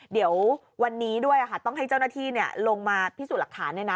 เดี๋ยววันนี้ด้วยต้องให้เจ้าหน้าที่ลงมาพิสูจน์หลักฐาน